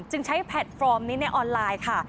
ใช้แพลตฟอร์มนี้ในออนไลน์ค่ะ